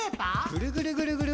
ぐるぐるぐるぐる。